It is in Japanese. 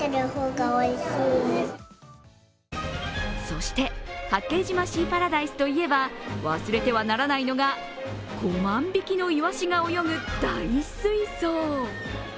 そして八景島シーパラダイスといえば忘れてはならないのが５万匹のイワシが泳ぐ大水槽。